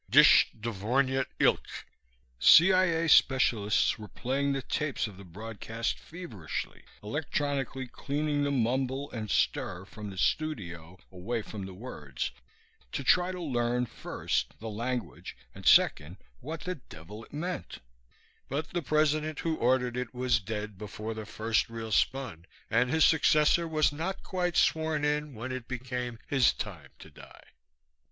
"Disht dvornyet ilgt." C.I.A. specialists were playing the tapes of the broadcast feverishly, electronically cleaning the mumble and stir from the studio away from the words to try to learn, first, the language and second what the devil it meant; but the President who ordered it was dead before the first reel spun, and his successor was not quite sworn in when it became his time to die.